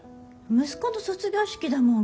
息子の卒業式だもん。